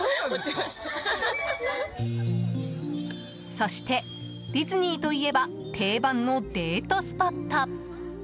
そして、ディズニーといえば定番のデートスポット。